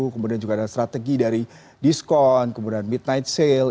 kemudian juga ada strategi dari diskon kemudian midnight sale